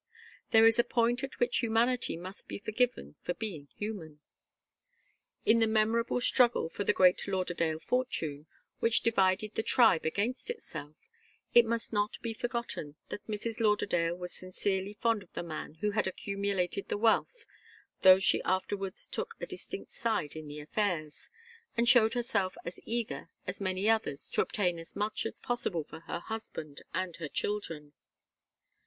There is a point at which humanity must be forgiven for being human. In the memorable struggle for the great Lauderdale fortune, which divided the tribe against itself, it must not be forgotten that Mrs. Lauderdale was sincerely fond of the man who had accumulated the wealth, though she afterwards took a distinct side in the affairs, and showed herself as eager as many others to obtain as much as possible for her husband and her children.